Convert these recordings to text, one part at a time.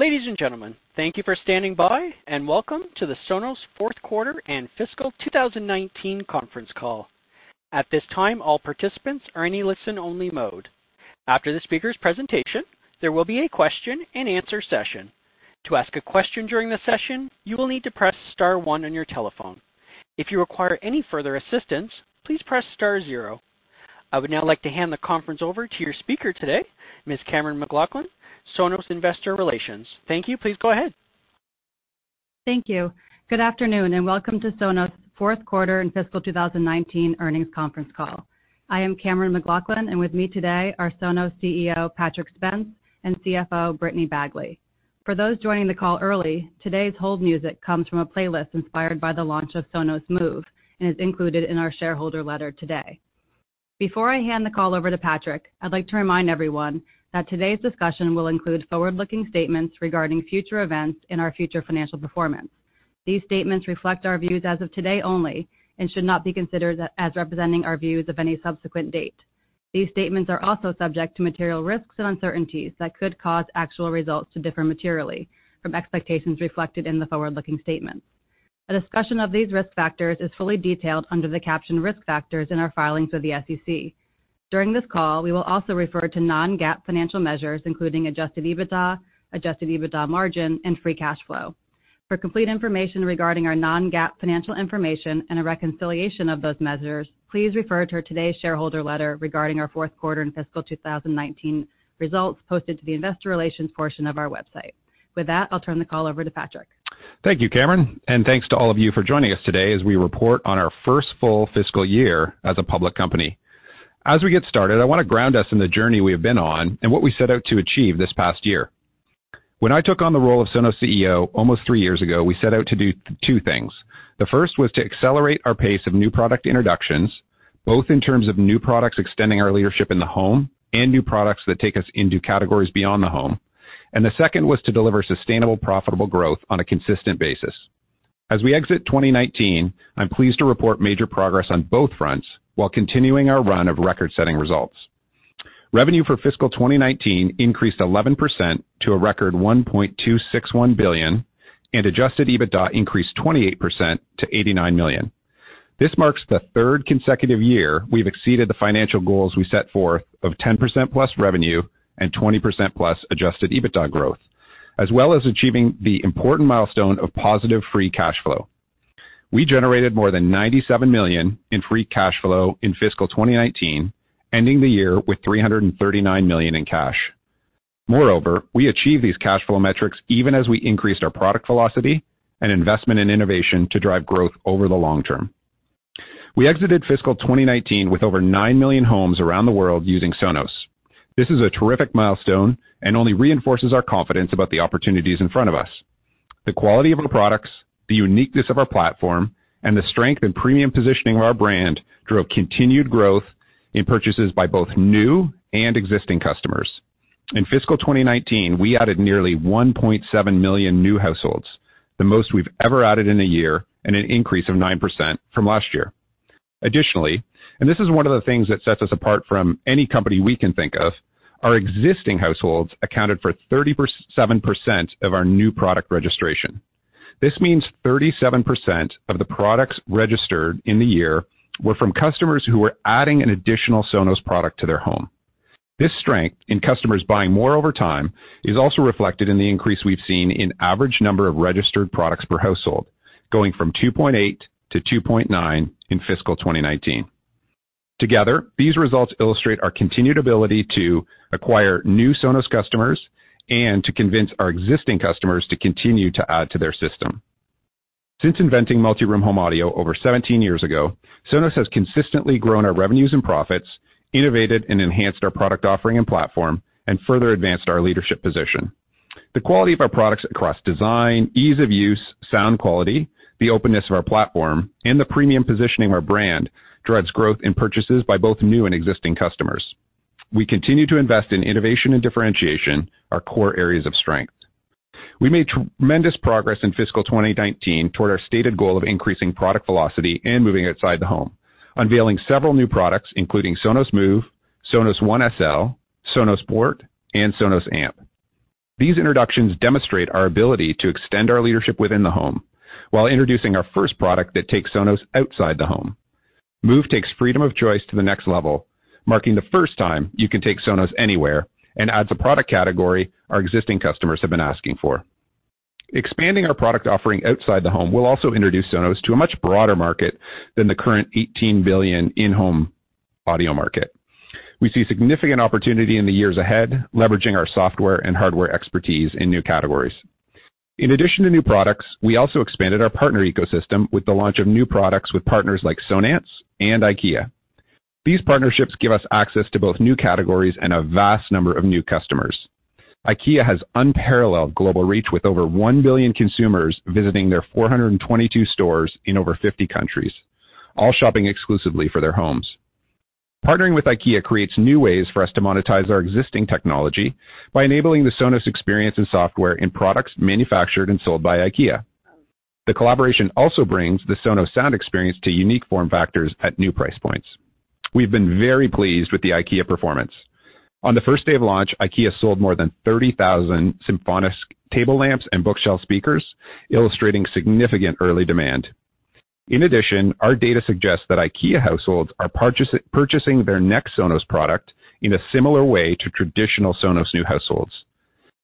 Ladies and gentlemen, thank you for standing by, and welcome to the Sonos 4th quarter and fiscal 2019 conference call. At this time, all participants are in a listen-only mode. After the speaker's presentation, there will be a question and answer session. To ask a question during the session, you will need to press star 1 on your telephone. If you require any further assistance, please press star 0. I would now like to hand the conference over to your speaker today, Ms. Cammeron McLaughlin, Sonos Investor Relations. Thank you. Please go ahead. Thank you. Good afternoon, and welcome to Sonos' fourth quarter and fiscal 2019 earnings conference call. I am Cammeron McLaughlin, and with me today are Sonos CEO, Patrick Spence, and CFO, Brittany Bagley. For those joining the call early, today's hold music comes from a playlist inspired by the launch of Sonos Move and is included in our shareholder letter today. Before I hand the call over to Patrick, I'd like to remind everyone that today's discussion will include forward-looking statements regarding future events and our future financial performance. These statements reflect our views as of today only and should not be considered as representing our views of any subsequent date. These statements are also subject to material risks and uncertainties that could cause actual results to differ materially from expectations reflected in the forward-looking statements. A discussion of these risk factors is fully detailed under the caption Risk Factors in our filings with the SEC. During this call, we will also refer to non-GAAP financial measures, including adjusted EBITDA, adjusted EBITDA margin, and free cash flow. For complete information regarding our non-GAAP financial information and a reconciliation of those measures, please refer to today's shareholder letter regarding our fourth quarter and fiscal 2019 results posted to the investor relations portion of our website. With that, I'll turn the call over to Patrick. Thank you, Cammeron. Thanks to all of you for joining us today as we report on our first full fiscal year as a public company. As we get started, I want to ground us in the journey we have been on and what we set out to achieve this past year. When I took on the role of Sonos CEO almost three years ago, we set out to do two things. The first was to accelerate our pace of new product introductions, both in terms of new products extending our leadership in the home and new products that take us into categories beyond the home, and the second was to deliver sustainable, profitable growth on a consistent basis. As we exit 2019, I'm pleased to report major progress on both fronts while continuing our run of record-setting results. Revenue for fiscal 2019 increased 11% to a record $1.261 billion, and adjusted EBITDA increased 28% to $89 million. This marks the third consecutive year we've exceeded the financial goals we set forth of 10% plus revenue and 20% plus adjusted EBITDA growth, as well as achieving the important milestone of positive free cash flow. We generated more than $97 million in free cash flow in fiscal 2019, ending the year with $339 million in cash. Moreover, we achieved these cash flow metrics even as we increased our product velocity and investment in innovation to drive growth over the long term. We exited fiscal 2019 with over nine million homes around the world using Sonos. This is a terrific milestone and only reinforces our confidence about the opportunities in front of us. The quality of our products, the uniqueness of our platform, and the strength and premium positioning of our brand drove continued growth in purchases by both new and existing customers. In fiscal 2019, we added nearly 1.7 million new households, the most we've ever added in a year, an increase of 9% from last year. Additionally, this is one of the things that sets us apart from any company we can think of, our existing households accounted for 37% of our new product registration. This means 37% of the products registered in the year were from customers who were adding an additional Sonos product to their home. This strength in customers buying more over time is also reflected in the increase we've seen in average number of registered products per household, going from 2.8 to 2.9 in fiscal 2019. Together, these results illustrate our continued ability to acquire new Sonos customers and to convince our existing customers to continue to add to their system. Since inventing multi-room home audio over 17 years ago, Sonos has consistently grown our revenues and profits, innovated and enhanced our product offering and platform, and further advanced our leadership position. The quality of our products across design, ease of use, sound quality, the openness of our platform, and the premium positioning of our brand, drives growth in purchases by both new and existing customers. We continue to invest in innovation and differentiation, our core areas of strength. We made tremendous progress in fiscal 2019 toward our stated goal of increasing product velocity and moving outside the home, unveiling several new products including Sonos Move, Sonos One SL, Sonos Port, and Sonos Amp. These introductions demonstrate our ability to extend our leadership within the home while introducing our first product that takes Sonos outside the home. Move takes freedom of choice to the next level, marking the first time you can take Sonos anywhere and adds a product category our existing customers have been asking for. Expanding our product offering outside the home will also introduce Sonos to a much broader market than the current $18 billion in-home audio market. We see significant opportunity in the years ahead, leveraging our software and hardware expertise in new categories. In addition to new products, we also expanded our partner ecosystem with the launch of new products with partners like Sonance and IKEA. These partnerships give us access to both new categories and a vast number of new customers. IKEA has unparalleled global reach, with over 1 billion consumers visiting their 422 stores in over 50 countries, all shopping exclusively for their homes. Partnering with IKEA creates new ways for us to monetize our existing technology by enabling the Sonos experience and software in products manufactured and sold by IKEA. The collaboration also brings the Sonos sound experience to unique form factors at new price points. We've been very pleased with the IKEA performance. On the first day of launch, IKEA sold more than 30,000 SYMFONISK table lamps and bookshelf speakers, illustrating significant early demand. In addition, our data suggests that IKEA households are purchasing their next Sonos product in a similar way to traditional Sonos new households,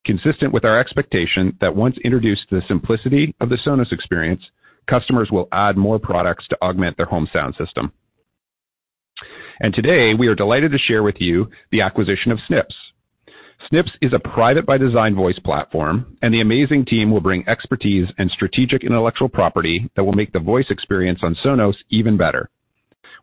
consistent with our expectation that once introduced to the simplicity of the Sonos experience, customers will add more products to augment their home sound system. Today, we are delighted to share with you the acquisition of Snips. Snips is a private-by-design voice platform, and the amazing team will bring expertise and strategic intellectual property that will make the voice experience on Sonos even better.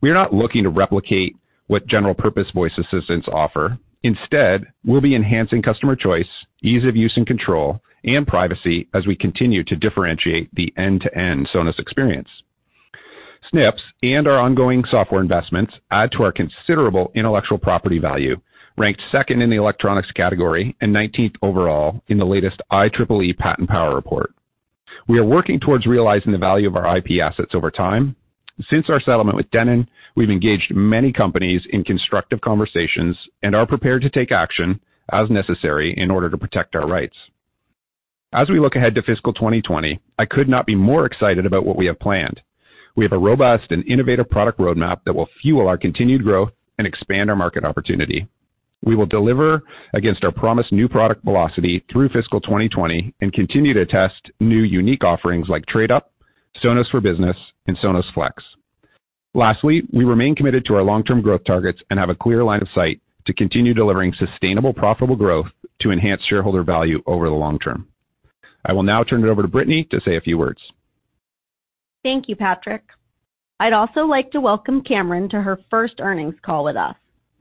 We are not looking to replicate what general-purpose voice assistants offer. Instead, we'll be enhancing customer choice, ease of use and control, and privacy as we continue to differentiate the end-to-end Sonos experience. Snips and our ongoing software investments add to our considerable intellectual property value, ranked second in the electronics category and 19th overall in the latest IEEE Patent Power Report. We are working towards realizing the value of our IP assets over time. Since our settlement with Denon, we've engaged many companies in constructive conversations and are prepared to take action as necessary in order to protect our rights. As we look ahead to fiscal 2020, I could not be more excited about what we have planned. We have a robust and innovative product roadmap that will fuel our continued growth and expand our market opportunity. We will deliver against our promised new product velocity through fiscal 2020 and continue to test new unique offerings like Trade Up, Sonos for Business, and Sonos Flex. Lastly, we remain committed to our long-term growth targets and have a clear line of sight to continue delivering sustainable, profitable growth to enhance shareholder value over the long term. I will now turn it over to Brittany to say a few words. Thank you, Patrick. I'd also like to welcome Cammeron to her first earnings call with us.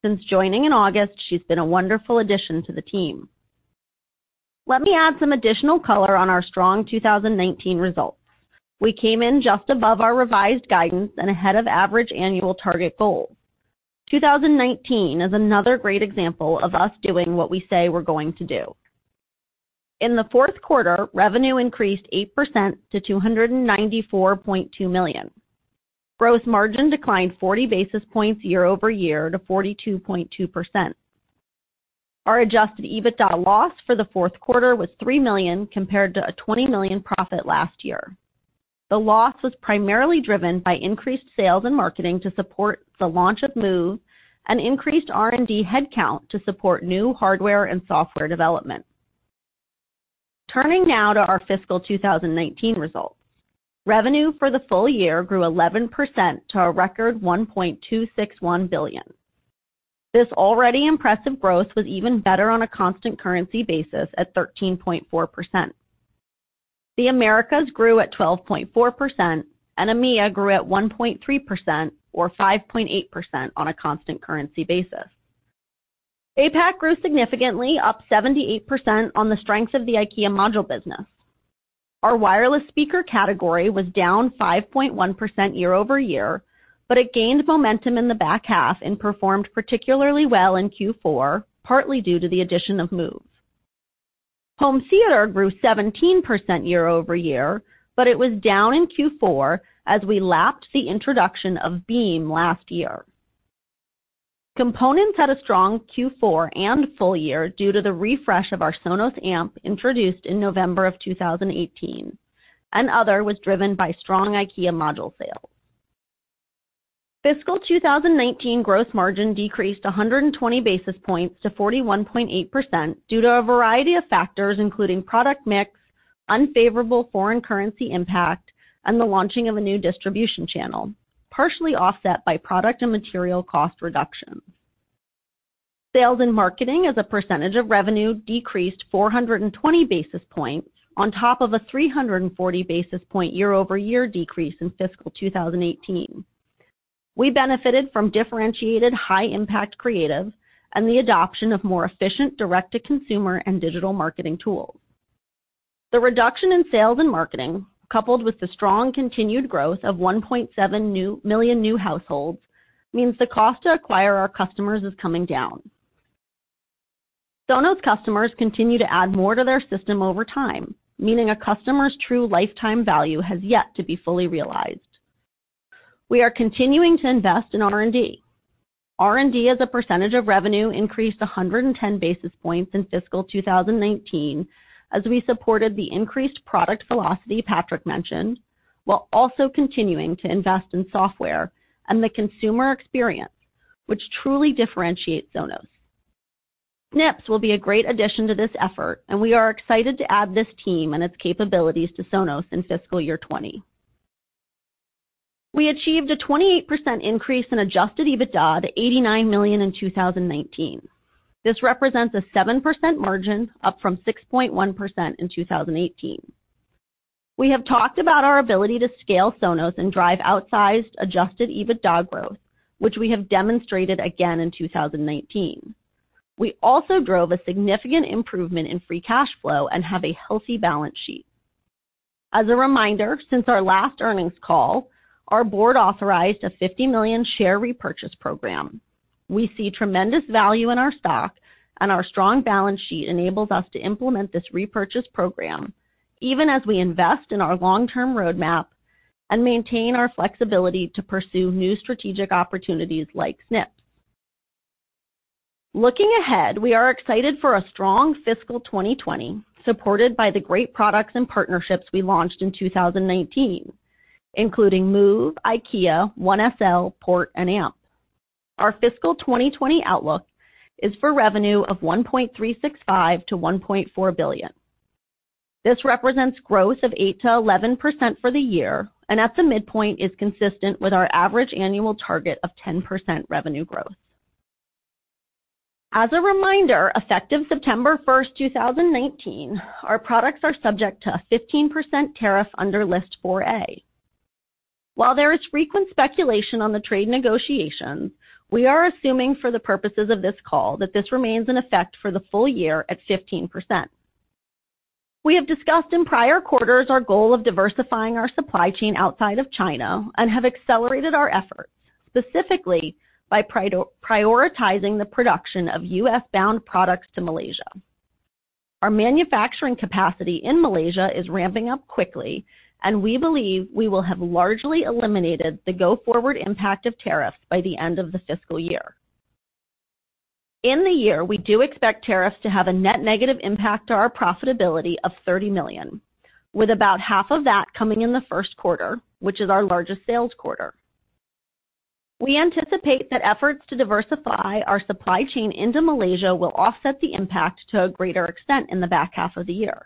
Since joining in August, she's been a wonderful addition to the team. Let me add some additional color on our strong 2019 results. We came in just above our revised guidance and ahead of average annual target goals. 2019 is another great example of us doing what we say we're going to do. In the fourth quarter, revenue increased 8% to $294.2 million. Gross margin declined 40 basis points year-over-year to 42.2%. Our adjusted EBITDA loss for the fourth quarter was $3 million compared to a $20 million profit last year. The loss was primarily driven by increased sales and marketing to support the launch of Move and increased R&D headcount to support new hardware and software development. Turning now to our fiscal 2019 results. Revenue for the full year grew 11% to a record $1.261 billion. This already impressive growth was even better on a constant currency basis at 13.4%. The Americas grew at 12.4%, and EMEA grew at 1.3%, or 5.8% on a constant currency basis. APAC grew significantly, up 78% on the strength of the IKEA module business. Our wireless speaker category was down 5.1% year-over-year, but it gained momentum in the back half and performed particularly well in Q4, partly due to the addition of Move. Home theater grew 17% year-over-year, but it was down in Q4 as we lapped the introduction of Beam last year. Components had a strong Q4 and full year due to the refresh of our Sonos Amp introduced in November of 2018, and other was driven by strong IKEA module sales. Fiscal 2019 gross margin decreased 120 basis points to 41.8% due to a variety of factors including product mix, unfavorable foreign currency impact, and the launching of a new distribution channel, partially offset by product and material cost reductions. Sales and marketing as a percentage of revenue decreased 420 basis points on top of a 340 basis point year-over-year decrease in fiscal 2018. We benefited from differentiated high-impact creative and the adoption of more efficient direct-to-consumer and digital marketing tools. The reduction in sales and marketing, coupled with the strong continued growth of 1.7 million new households, means the cost to acquire our customers is coming down. Sonos customers continue to add more to their system over time, meaning a customer's true lifetime value has yet to be fully realized. We are continuing to invest in R&D. R&D as a percentage of revenue increased 110 basis points in fiscal 2019 as we supported the increased product velocity Patrick mentioned, while also continuing to invest in software and the consumer experience, which truly differentiates Sonos. Snips will be a great addition to this effort, and we are excited to add this team and its capabilities to Sonos in fiscal year 2020. We achieved a 28% increase in adjusted EBITDA to $89 million in 2019. This represents a 7% margin up from 6.1% in 2018. We have talked about our ability to scale Sonos and drive outsized adjusted EBITDA growth, which we have demonstrated again in 2019. We also drove a significant improvement in free cash flow and have a healthy balance sheet. As a reminder, since our last earnings call, our board authorized a 50 million share repurchase program. We see tremendous value in our stock, and our strong balance sheet enables us to implement this repurchase program even as we invest in our long-term roadmap and maintain our flexibility to pursue new strategic opportunities like Snips. Looking ahead, we are excited for a strong fiscal 2020 supported by the great products and partnerships we launched in 2019, including Move, IKEA, One SL, Port, and Amp. Our fiscal 2020 outlook is for revenue of $1.365 billion-$1.4 billion. This represents growth of 8%-11% for the year, and at the midpoint is consistent with our average annual target of 10% revenue growth. As a reminder, effective September 1st, 2019, our products are subject to a 15% tariff under List 4A. While there is frequent speculation on the trade negotiations, we are assuming for the purposes of this call that this remains in effect for the full year at 15%. We have discussed in prior quarters our goal of diversifying our supply chain outside of China and have accelerated our efforts, specifically by prioritizing the production of U.S.-bound products to Malaysia. Our manufacturing capacity in Malaysia is ramping up quickly, and we believe we will have largely eliminated the go-forward impact of tariffs by the end of the fiscal year. In the year, we do expect tariffs to have a net negative impact on our profitability of $30 million, with about half of that coming in the first quarter, which is our largest sales quarter. We anticipate that efforts to diversify our supply chain into Malaysia will offset the impact to a greater extent in the back half of the year.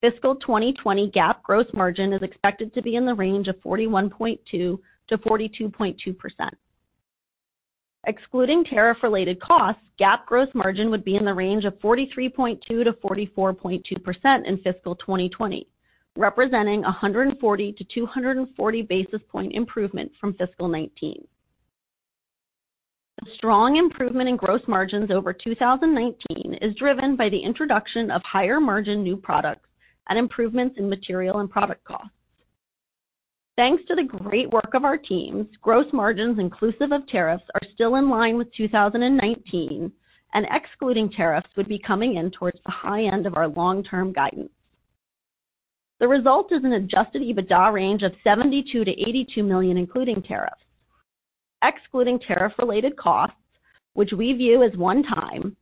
Fiscal 2020 GAAP gross margin is expected to be in the range of 41.2%-42.2%. Excluding tariff related costs, GAAP gross margin would be in the range of 43.2%-44.2% in fiscal 2020, representing 140 to 240 basis point improvement from fiscal 2019. A strong improvement in gross margins over 2019 is driven by the introduction of higher margin new products and improvements in material and product costs. Thanks to the great work of our teams, gross margins inclusive of tariffs are still in line with 2019, and excluding tariffs would be coming in towards the high end of our long-term guidance. The result is an adjusted EBITDA range of $72 million-$82 million, including tariffs. Excluding tariff related costs, which we view as one time,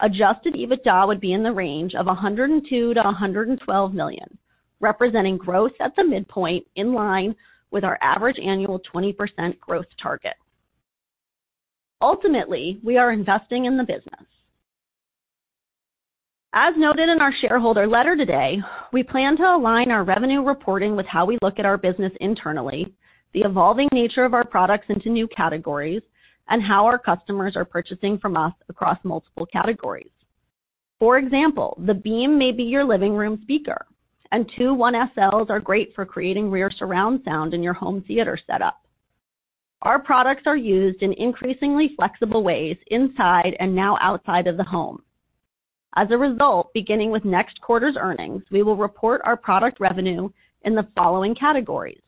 adjusted EBITDA would be in the range of $102 million-$112 million, representing growth at the midpoint in line with our average annual 20% growth target. Ultimately, we are investing in the business. As noted in our shareholder letter today, we plan to align our revenue reporting with how we look at our business internally, the evolving nature of our products into new categories, and how our customers are purchasing from us across multiple categories. For example, the Beam may be your living room speaker, and two One SLs are great for creating rear surround sound in your home theater setup. Our products are used in increasingly flexible ways inside and now outside of the home. As a result, beginning with next quarter's earnings, we will report our product revenue in the following categories: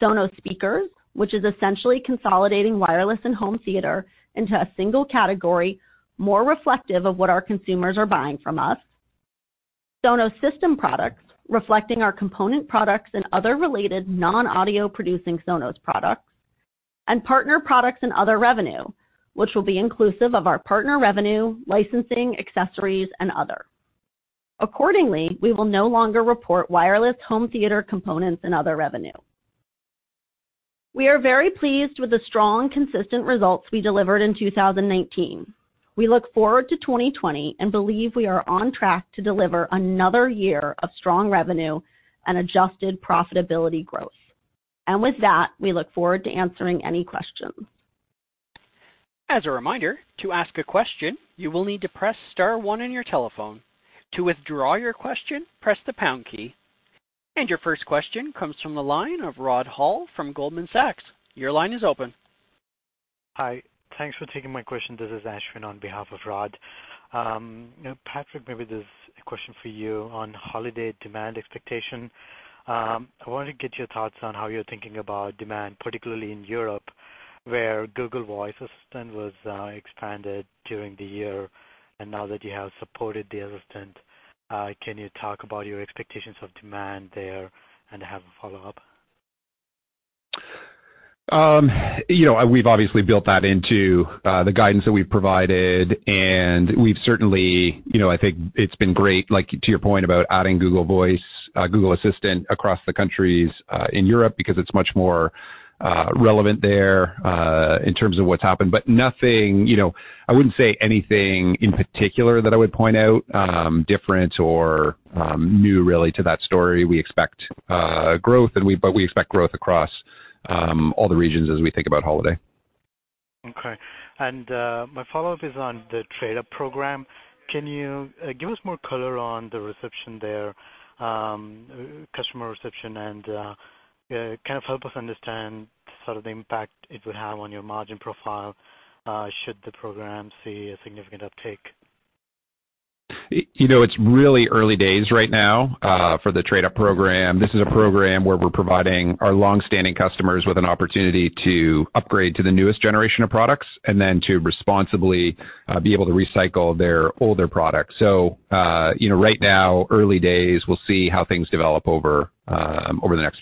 Sonos speakers, which is essentially consolidating wireless and home theater into a single category, more reflective of what our consumers are buying from us. Sonos system products, reflecting our component products and other related non-audio producing Sonos products, and Partner products and other revenue, which will be inclusive of our partner revenue, licensing, accessories, and other. Accordingly, we will no longer report wireless home theater components and other revenue. We are very pleased with the strong, consistent results we delivered in 2019. We look forward to 2020 and believe we are on track to deliver another year of strong revenue and adjusted profitability growth. With that, we look forward to answering any questions. As a reminder, to ask a question, you will need to press *1 on your telephone. To withdraw your question, press the # key. Your first question comes from the line of Rod Hall from Goldman Sachs. Your line is open. Hi. Thanks for taking my question. This is Ashwin on behalf of Rod. Patrick, maybe this is a question for you on holiday demand expectation. I wanted to get your thoughts on how you're thinking about demand, particularly in Europe, where Google Assistant was expanded during the year, and now that you have supported the assistant, can you talk about your expectations of demand there? I have a follow-up. We've obviously built that into the guidance that we've provided, and we've certainly I think it's been great, to your point about adding Google Assistant across the countries in Europe because it's much more relevant there, in terms of what's happened. I wouldn't say anything in particular that I would point out, different or new really to that story. We expect growth, but we expect growth across all the regions as we think about holiday. Okay. My follow-up is on the Trade Up program. Can you give us more color on the reception there, customer reception, and kind of help us understand sort of the impact it would have on your margin profile, should the program see a significant uptake? It's really early days right now for the Trade Up program. This is a program where we're providing our longstanding customers with an opportunity to upgrade to the newest generation of products, and then to responsibly be able to recycle their older products. Right now, early days, we'll see how things develop over the next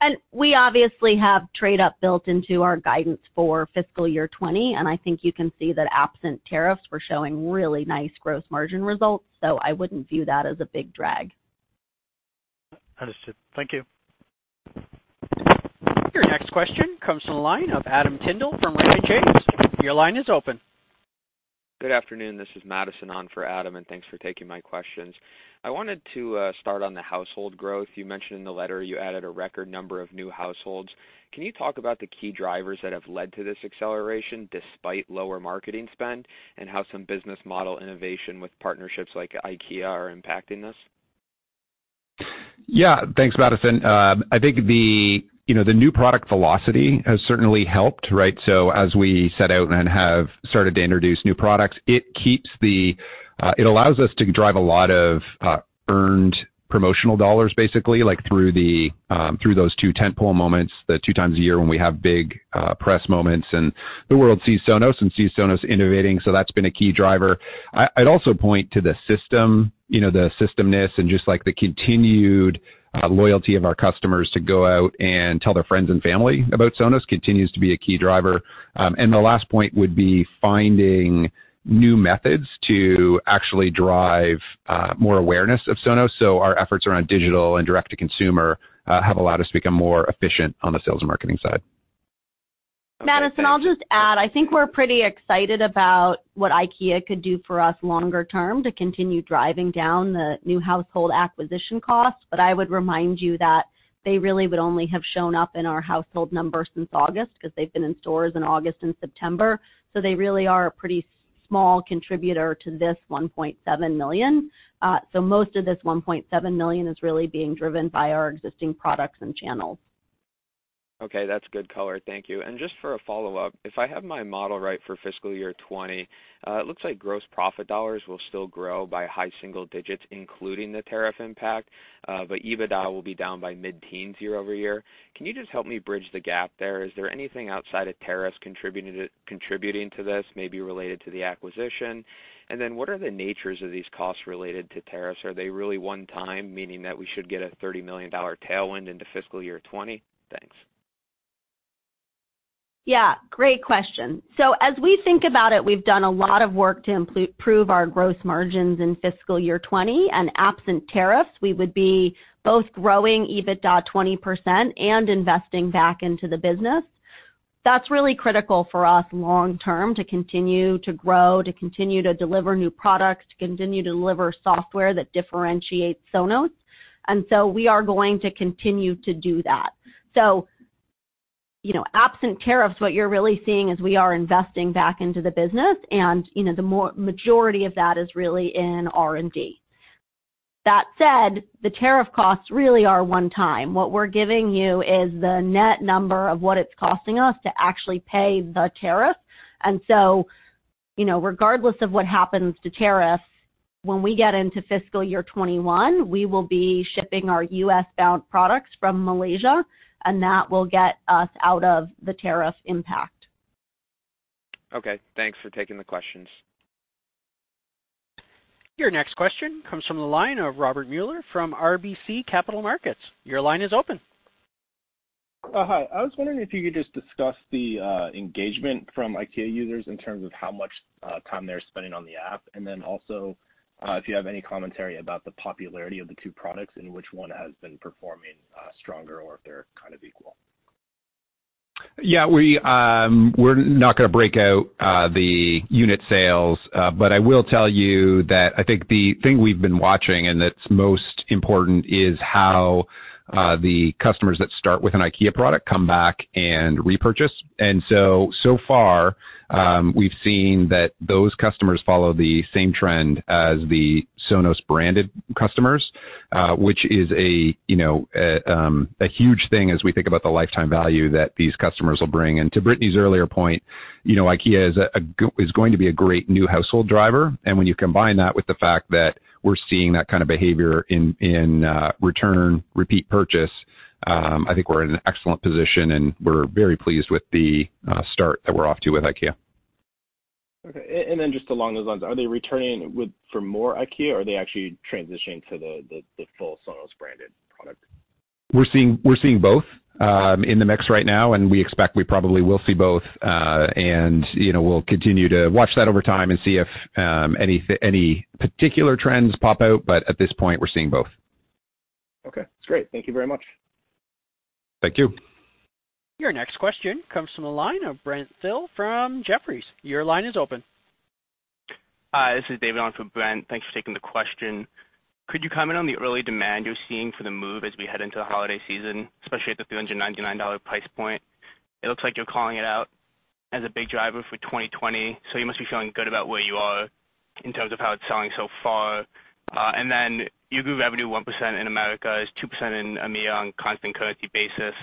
few months. We obviously have Trade Up built into our guidance for fiscal year 2020, and I think you can see that absent tariffs, we're showing really nice gross margin results. I wouldn't view that as a big drag. Understood. Thank you. Your next question comes from the line of Adam Tindle from RBC. Your line is open. Good afternoon. This is Madison on for Adam. Thanks for taking my questions. I wanted to start on the household growth. You mentioned in the letter you added a record number of new households. Can you talk about the key drivers that have led to this acceleration despite lower marketing spend? How some business model innovation with partnerships like IKEA are impacting this? Thanks, Madison. I think the new product velocity has certainly helped, right? As we set out and have started to introduce new products, it allows us to drive a lot of earned promotional dollars, basically, through those two tent-pole moments, the two times a year when we have big press moments, and the world sees Sonos and sees Sonos innovating. That's been a key driver. I'd also point to the system, the systemness and just the continued loyalty of our customers to go out and tell their friends and family about Sonos continues to be a key driver. The last point would be finding new methods to actually drive more awareness of Sonos. Our efforts around digital and direct to consumer have allowed us to become more efficient on the sales and marketing side. Madison, I'll just add, I think we're pretty excited about what IKEA could do for us longer term to continue driving down the new household acquisition costs. I would remind you that they really would only have shown up in our household numbers since August, because they've been in stores in August and September. They really are a pretty small contributor to this $1.7 million. Most of this $1.7 million is really being driven by our existing products and channels. Okay, that's good color. Thank you. Just for a follow-up, if I have my model right for fiscal year 2020, it looks like gross profit dollars will still grow by high single digits, including the tariff impact. EBITDA will be down by mid-teens year-over-year. Can you just help me bridge the gap there? Is there anything outside of tariffs contributing to this, maybe related to the acquisition? What are the natures of these costs related to tariffs? Are they really one-time, meaning that we should get a $30 million tailwind into fiscal year 2020? Thanks. Yeah, great question. As we think about it, we've done a lot of work to improve our gross margins in fiscal year 2020. Absent tariffs, we would be both growing EBITDA 20% and investing back into the business. That's really critical for us long term to continue to grow, to continue to deliver new products, to continue to deliver software that differentiates Sonos. We are going to continue to do that. Absent tariffs, what you're really seeing is we are investing back into the business and, the majority of that is really in R&D. That said, the tariff costs really are one time. What we're giving you is the net number of what it's costing us to actually pay the tariff. Regardless of what happens to tariffs, when we get into fiscal year 2021, we will be shipping our U.S.-bound products from Malaysia, and that will get us out of the tariff impact. Okay, thanks for taking the questions. Your next question comes from the line of Robert Muller from RBC Capital Markets. Your line is open. Hi. I was wondering if you could just discuss the engagement from IKEA users in terms of how much time they're spending on the app, and then also if you have any commentary about the popularity of the two products and which one has been performing stronger, or if they're kind of equal. Yeah. We're not going to break out the unit sales. I will tell you that I think the thing we've been watching, and that's most important, is how the customers that start with an IKEA product come back and repurchase. So far, we've seen that those customers follow the same trend as the Sonos branded customers, which is a huge thing as we think about the lifetime value that these customers will bring. To Brittany's earlier point, IKEA is going to be a great new household driver. When you combine that with the fact that we're seeing that kind of behavior in return, repeat purchase, I think we're in an excellent position, and we're very pleased with the start that we're off to with IKEA. Okay. Just along those lines, are they returning for more IKEA, or are they actually transitioning to the full Sonos branded product? We're seeing both in the mix right now, and we expect we probably will see both. We'll continue to watch that over time and see if any particular trends pop out. At this point, we're seeing both. Okay, that's great. Thank you very much. Thank you. Your next question comes from the line of Brent Thill from Jefferies. Your line is open. Hi, this is David on for Brent. Thanks for taking the question. Could you comment on the early demand you're seeing for the Move as we head into the holiday season, especially at the $399 price point? It looks like you're calling it out as a big driver for 2020. You must be feeling good about where you are in terms of how it's selling so far. You grew revenue 1% in Americas, 2% in EMEA on constant currency basis.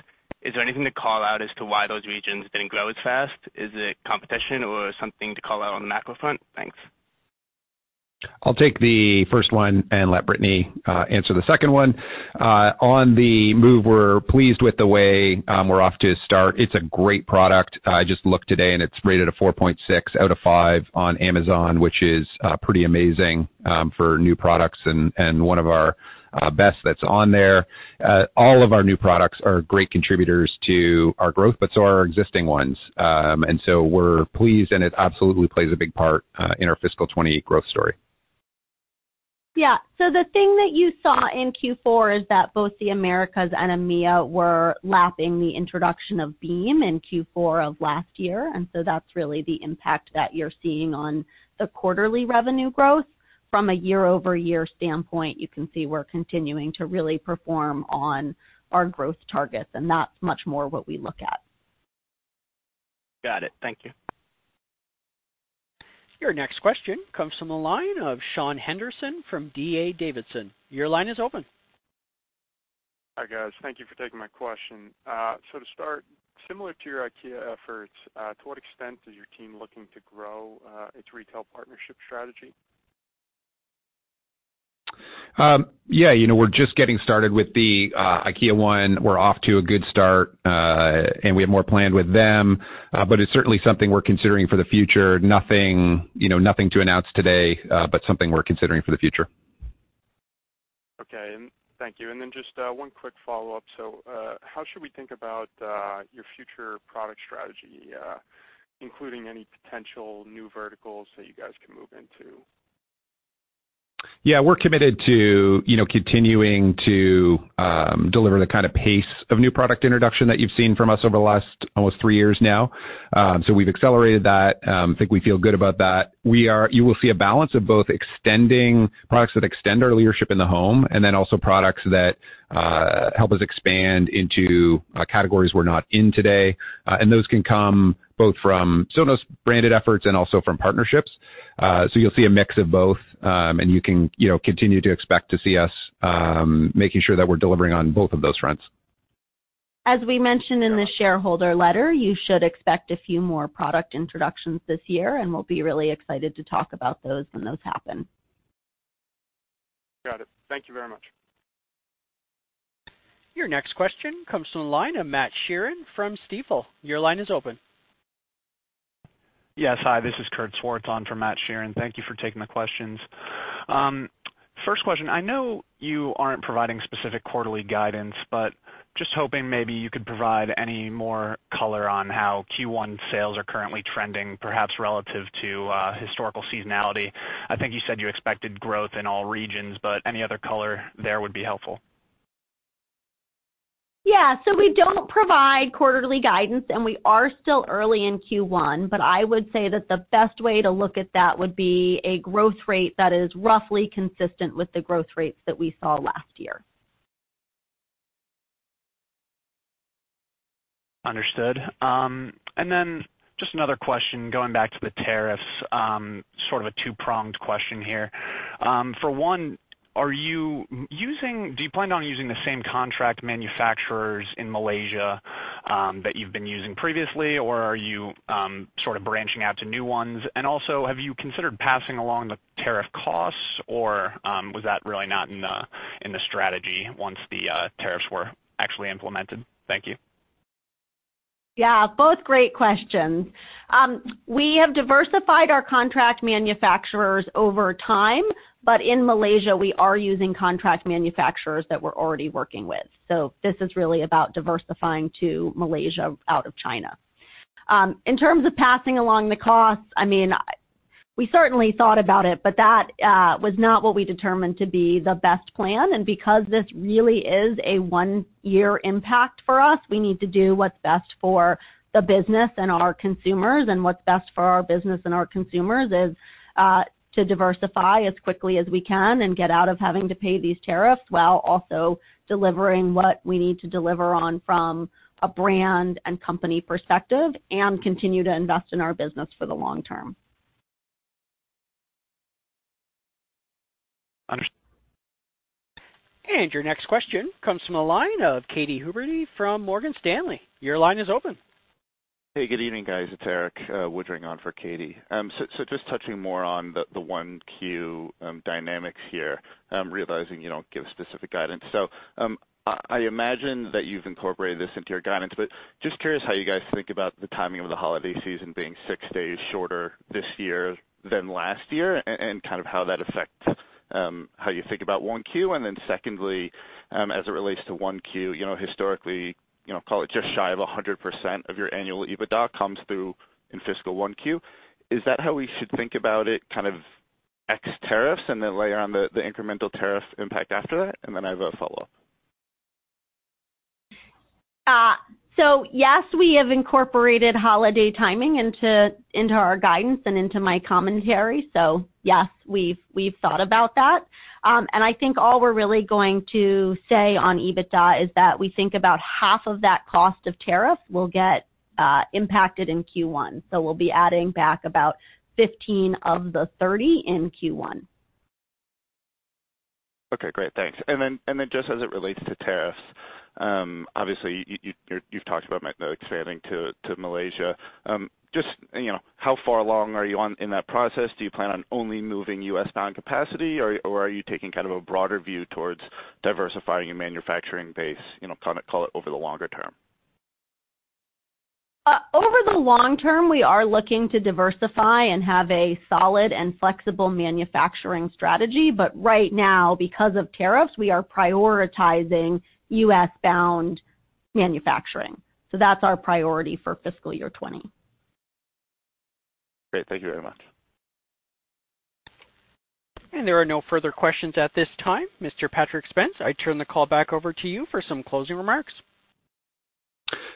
Is there anything to call out as to why those regions didn't grow as fast? Is it competition or something to call out on the macro front? Thanks. I'll take the first one and let Brittany answer the second one. On the Move, we're pleased with the way we're off to start. It's a great product. I just looked today and it's rated a 4.6 out of 5 on Amazon, which is pretty amazing for new products and one of our best that's on there. All of our new products are great contributors to our growth, but so are our existing ones. We're pleased, and it absolutely plays a big part in our fiscal 2020 growth story. The thing that you saw in Q4 is that both the Americas and EMEA were lapping the introduction of Beam in Q4 of last year, and so that's really the impact that you're seeing on the quarterly revenue growth. From a year-over-year standpoint, you can see we're continuing to really perform on our growth targets, and that's much more what we look at. Got it. Thank you. Your next question comes from the line of Sean Henderson from D.A. Davidson. Your line is open. Hi, guys. Thank you for taking my question. To start, similar to your IKEA efforts, to what extent is your team looking to grow its retail partnership strategy? We're just getting started with the IKEA one. We're off to a good start, and we have more planned with them. It's certainly something we're considering for the future. Nothing to announce today, but something we're considering for the future. Okay. Thank you. Just one quick follow-up. How should we think about your future product strategy, including any potential new verticals that you guys can move into? Yeah, we're committed to continuing to deliver the kind of pace of new product introduction that you've seen from us over the last almost three years now. We've accelerated that. I think we feel good about that. You will see a balance of both products that extend our leadership in the home, also products that help us expand into categories we're not in today. Those can come both from Sonos branded efforts and also from partnerships. You'll see a mix of both, and you can continue to expect to see us making sure that we're delivering on both of those fronts. As we mentioned in the shareholder letter, you should expect a few more product introductions this year, and we'll be really excited to talk about those when those happen. Got it. Thank you very much. Your next question comes from the line of Matt Sheerin from Stifel. Your line is open. Yes. Hi, this is Kurt Schwartz on for Matt Sheerin. Thank you for taking the questions. First question, I know you aren't providing specific quarterly guidance, but just hoping maybe you could provide any more color on how Q1 sales are currently trending, perhaps relative to historical seasonality. I think you said you expected growth in all regions, but any other color there would be helpful. Yeah. We don't provide quarterly guidance, and we are still early in Q1, but I would say that the best way to look at that would be a growth rate that is roughly consistent with the growth rates that we saw last year. Understood. Just another question, going back to the tariffs. Sort of a two-pronged question here. For one, do you plan on using the same contract manufacturers in Malaysia that you've been using previously, or are you sort of branching out to new ones? Also, have you considered passing along the tariff costs, or was that really not in the strategy once the tariffs were actually implemented? Thank you. Both great questions. We have diversified our contract manufacturers over time, but in Malaysia, we are using contract manufacturers that we're already working with. This is really about diversifying to Malaysia out of China. In terms of passing along the costs, we certainly thought about it, but that was not what we determined to be the best plan. Because this really is a one-year impact for us, we need to do what's best for the business and our consumers. What's best for our business and our consumers is to diversify as quickly as we can and get out of having to pay these tariffs, while also delivering what we need to deliver on from a brand and company perspective, and continue to invest in our business for the long term. Understood. Your next question comes from the line of Katy Huberty from Morgan Stanley. Your line is open. Hey, good evening, guys. It's Erik Woodring on for Katy. Just touching more on the 1Q dynamics here, realizing you don't give specific guidance. I imagine that you've incorporated this into your guidance, but just curious how you guys think about the timing of the holiday season being six days shorter this year than last year, and kind of how that affects how you think about 1Q. Secondly, as it relates to 1Q, historically, call it just shy of 100% of your annual EBITDA comes through in fiscal 1Q. Is that how we should think about it, kind of ex tariffs, and then layer on the incremental tariff impact after that? I have a follow-up. Yes, we have incorporated holiday timing into our guidance and into my commentary. Yes, we've thought about that. I think all we're really going to say on EBITDA is that we think about half of that cost of tariff will get impacted in Q1. We'll be adding back about $15 of the $30 in Q1. Okay, great. Thanks. Then just as it relates to tariffs, obviously you've talked about expanding to Malaysia. Just how far along are you in that process? Do you plan on only moving U.S.-bound capacity, or are you taking kind of a broader view towards diversifying your manufacturing base, call it over the longer term? Over the long term, we are looking to diversify and have a solid and flexible manufacturing strategy. Right now, because of tariffs, we are prioritizing U.S.-bound manufacturing. That's our priority for fiscal year 2020. Great. Thank you very much. There are no further questions at this time. Mr. Patrick Spence, I turn the call back over to you for some closing remarks.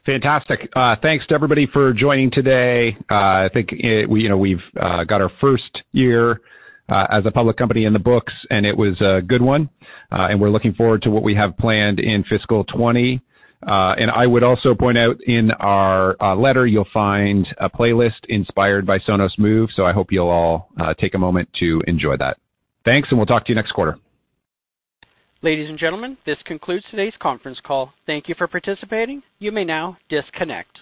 Fantastic. Thanks to everybody for joining today. I think we've got our first year as a public company in the books, and it was a good one. We're looking forward to what we have planned in fiscal 2020. I would also point out in our letter, you'll find a playlist inspired by Sonos Move, so I hope you'll all take a moment to enjoy that. Thanks, and we'll talk to you next quarter. Ladies and gentlemen, this concludes today's conference call. Thank you for participating. You may now disconnect.